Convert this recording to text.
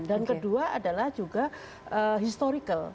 dan kedua adalah juga historical